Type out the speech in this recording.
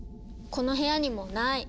この部屋にもない！